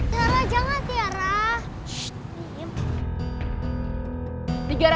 tiara jangan tiara